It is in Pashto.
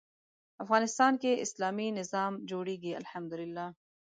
افغانستان کې اسلامي نظام جوړېږي الحمد لله.